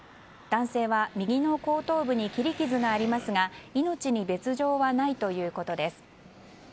男性は、右の後頭部に切り傷がありますが命に別条はないということです。